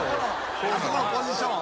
あそこのポジション。